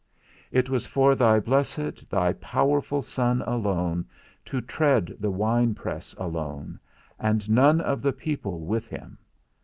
It was for thy blessed, thy powerful Son alone, to tread the wine press alone, and none of the people with him.